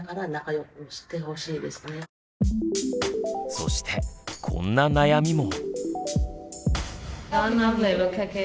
そしてこんな悩みも。